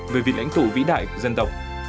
về vị lãnh thụ vĩ đại của dân tộc